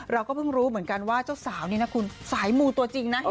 เราก็เพิ่งรู้เหมือนกันว่าเจ้าสาวนี่นะคุณสายมูตัวจริงนะ